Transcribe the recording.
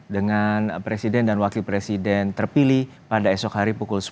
dengan presiden dan wakil presiden terpilih pada esok hari pukul sepuluh